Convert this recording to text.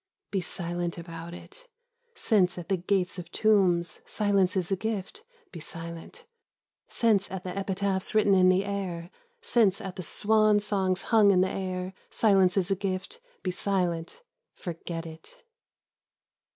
Be silent about it ; since at the gates of tombs silence is a gift, be silent; since at the epitaphs written in the air, since at the swan songs hung in the air, silence is a gift, be silent; forget it.